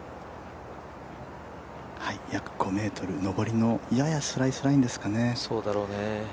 約５ｍ、上りのややスライスラインですかね。